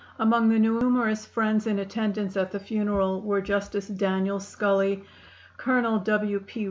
Among the numerous friends in attendance at the funeral were Justice Daniel Scully, Colonel W. P.